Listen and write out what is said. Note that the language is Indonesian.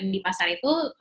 di pasar itu